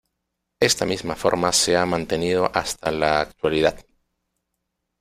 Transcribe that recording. Esta misma forma se ha mantenido hasta la actualidad.